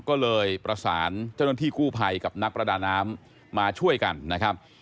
ก็เลยประสานเจ้าหน้าที่กู้ภัยกับนักประดาน้ำมาช่วยกันนะครับ